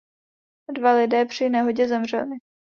Dva lidé při nehodě zemřeli.